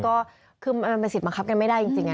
ก็คือมันเป็นสิทธิบังคับกันไม่ได้จริง